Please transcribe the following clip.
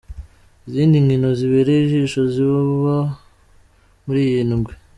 Izindi nkino zibereye ijisho ziboba muri iyi ndwi:.